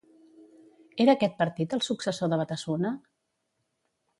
Era aquest partit el successor de Batasuna?